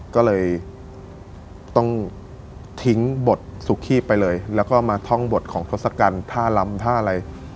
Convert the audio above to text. ก็เลยต้องทิ้งบทสุขีบไปเลยแล้วก็มาท่องบทของทศกัณฐ์ท่าลำท่าอะไร